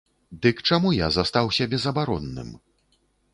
Дык чаму я застаўся безабаронным?